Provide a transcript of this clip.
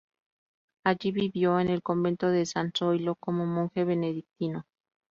Allí, vivió en el Convento de San Zoilo, como monje benedictino.